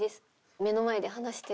目の前で話してるのが。